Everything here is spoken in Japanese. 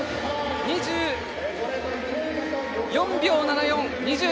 ２４秒７４。